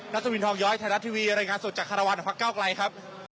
นัสวินทร์ทองย้อยไทยรัฐทีวีรายงานสดจากฮคไกลครับ